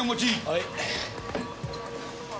はい。